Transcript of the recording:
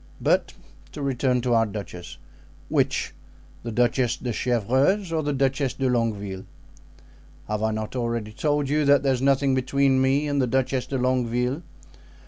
But to return to our duchess." "Which—the Duchess de Chevreuse or the Duchess de Longueville?" "Have I not already told you that there is nothing between me and the Duchess de Longueville?